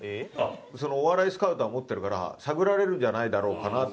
お笑いスカウター持ってるから探られるんじゃないだろうかなって